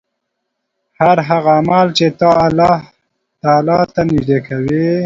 هر هغه عمل چې تا الله تعالی ته نژدې کوي